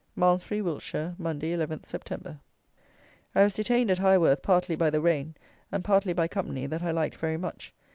Malmsbury (Wilts), Monday, 11th Sept. I was detained at Highworth partly by the rain and partly by company that I liked very much.